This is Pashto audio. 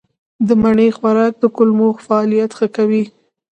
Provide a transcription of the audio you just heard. د مڼې خوراک د کولمو فعالیت ښه کوي.